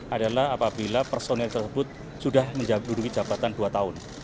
adalah apabila personel tersebut sudah duduk di jabatan dua tahun